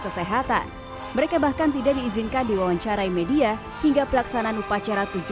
kesehatan mereka bahkan tidak diizinkan diwawancarai media hingga pelaksanaan upacara